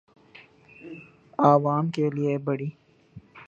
آعوام کے لئے بڑی